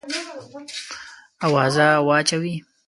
آوازه واچوې.